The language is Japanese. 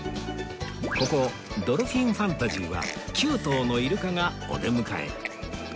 ここドルフィンファンタジーは９頭のイルカがお出迎え